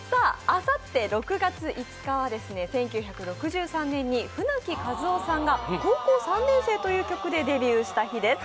あさって６月５日は１９６３年に舟木一夫さんが「高校三年生」という曲でデビューした日です